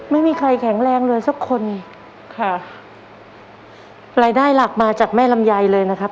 ไม่มีใครแข็งแรงเลยสักคนค่ะรายได้หลักมาจากแม่ลำไยเลยนะครับ